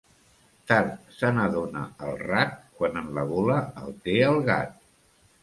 Tard se n'adona el rat, quan en la gola el té el gat.